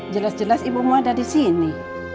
jelas jelas ibumu ada disini